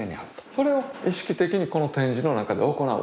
それを意識的にこの展示の中で行う。